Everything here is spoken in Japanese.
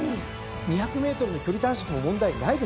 ２００ｍの距離短縮も問題ないでしょう。